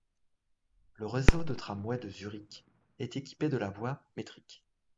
Le réseau de tramways de Zurich est équipée de la voie métrique.